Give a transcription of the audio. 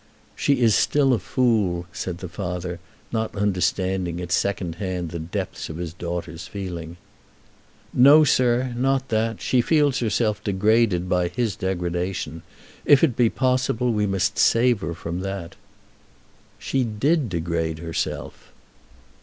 "She is still a fool," said the father, not understanding at second hand the depths of his daughter's feeling. "No, sir, not that. She feels herself degraded by his degradation. If it be possible we must save her from that." "She did degrade herself."